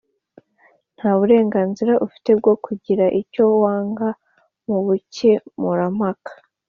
Nta burenganzira ufite bwo kugira icyo wanga mu bukemurampaka